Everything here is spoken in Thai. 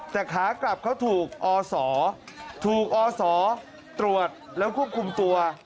แต่ขากลับเขาถูกอศถูกอศตรวจแล้วควบคุมตัว